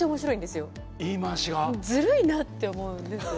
ずるいなって思うんですよ。